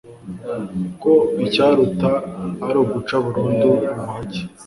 ko icyaruta ari uguca burundu ubuhake